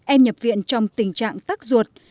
em nhập viện trong tình trạng tắc ruột